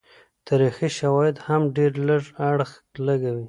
تاریخي شواهد هم ډېر لږ اړخ لګوي.